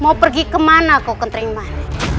mau pergi kemana kau kentering man